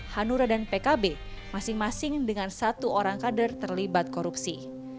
hanura dan pkb masing masing dengan satu orang kader terlibat korupsi